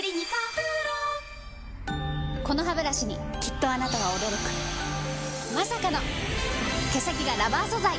このハブラシにきっとあなたは驚くまさかの毛先がラバー素材！